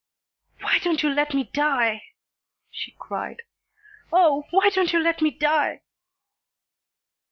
"Why don't you let me die!" she cried. "Oh, why don't you let me die!"